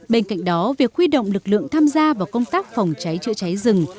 bên cạnh đó việc huy động lực lượng tham gia vào công tác phòng cháy chữa cháy rừng